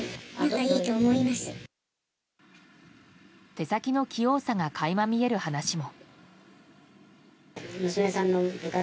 手先の器用さが垣間見える話も。